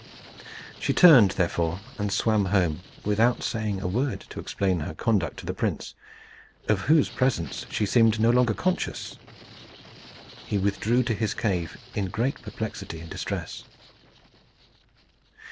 She turned therefore and swam home, without saying a word to explain her conduct to the prince, of whose presence she seemed no longer conscious. He withdrew to his cave, in great perplexity and distress.